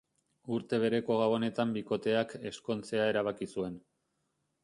Urte bereko Gabonetan bikoteak ezkontzea erabaki zuen.